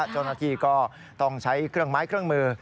เจ้าหน้าที่ก็ต้องใช้เครื่องไม้เครื่องมือ